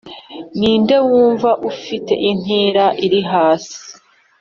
Ninde wundi ufite intera iri hasi